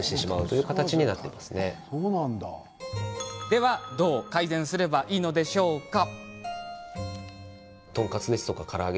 では、どう改善すればいいのでしょうか？